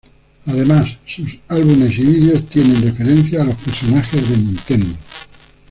Además sus álbumes y videos tienen referencias a los personajes de Nintendo.